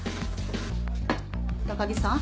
高木さん